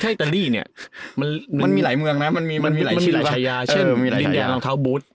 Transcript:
แท่ตาลีเนี้ยมันมีหลายเมืองนะมันมีมันมีหลายชายาเช่นดินแดงลองเท้าบู๊ด